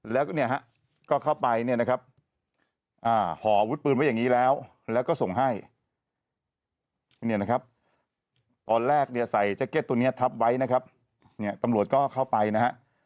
แล้วก็เนี่ยฮะก็เข้าไปเนี่ยนะครับห่ออาวุธปืนไว้อย่างนี้แล้วแล้วก็ส่งให้เนี่ยนะครับตอนแรกเนี่ยใส่แจ็คเก็ตตัวนี้ทับไว้นะครับเนี่ยตำรวจก็เข้าไปนะฮะ